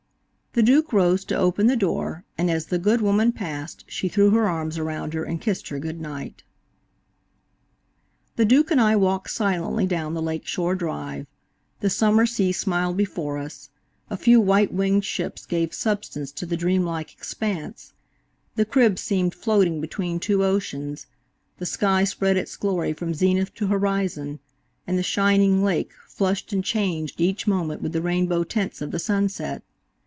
The Duke rose to open the door, and as the good woman passed she threw her arms around her and kissed her good night. THE Duke and I walked silently down the Lake Shore Drive. The summer sea smiled before us; a few white winged ships gave substance to the dreamlike expanse; the Crib seemed floating between two oceans; the sky spread its glory from zenith to horizon, and the shining lake flushed and changed each moment with the rainbow tints of the sunset.